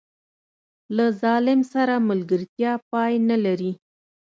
له ظالم سره ملګرتیا پای نه لري.